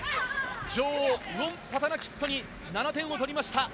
女王、ウオンパタナキットに７点を取りました。